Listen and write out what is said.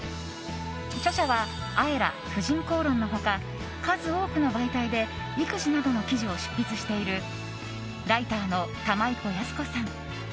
著者は「ＡＥＲＡ」「婦人公論」の他数多くの媒体で育児などの記事を執筆しているライターの玉居子泰子さん。